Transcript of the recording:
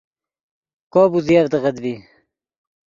کوپ اوزیڤدغت ڤی